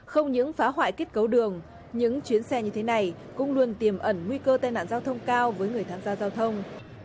không những phá hoại kết cấu đường những chuyến xe như thế này cũng luôn tiềm ẩn nguy cơ tai nạn giao thông cao với người tham gia giao thông